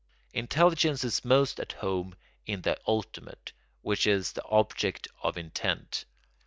Intelligence is most at home in the ultimate, which is the object of intent.